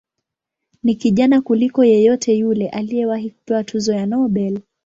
Ni kijana kuliko yeyote yule aliyewahi kupewa tuzo ya Nobel.